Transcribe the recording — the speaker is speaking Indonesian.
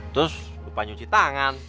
terus lupa nyuci tangan